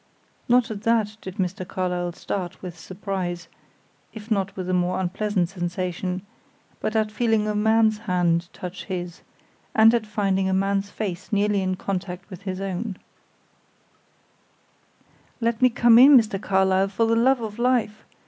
Not at that did Mr. Carlyle start with surprise, if not with a more unpleasant sensation; but a feeling a man's hand touch his, and at finding a man's face nearly in contact with his own. "Let me come in, Mr. Carlyle, for the love of life!